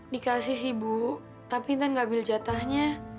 dikasih sih bu tapi kan gak ambil jatahnya